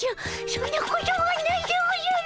そんなことはないでおじゃる。